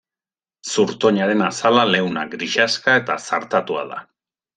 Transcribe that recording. Zurtoinaren azala leuna, grisaxka eta zartatua da.